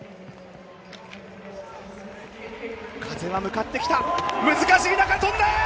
風は向かってきた、難しい中、跳んだ！